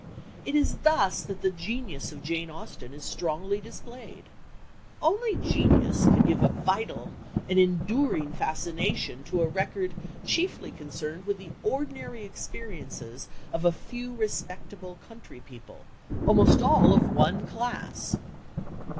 It is thus that the genius of Jane Austen is strongly displayed. Only genius could give a vital, an enduring fascination to a record chiefly concerned with the ordinary experiences of a few respectable country people, almost all of one class.